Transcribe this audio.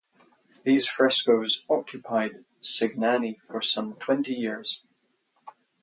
These frescoes occupied Cignani for some twenty years.